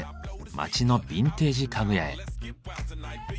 街のビンテージ家具屋へ。